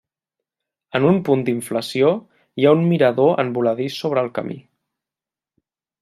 En un punt d'inflació hi ha un mirador en voladís sobre el camí.